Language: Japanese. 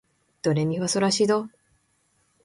ドレミファソラシド